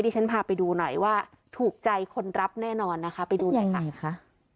ฉันพาไปดูหน่อยว่าถูกใจคนรับแน่นอนนะคะไปดูหน่อยค่ะ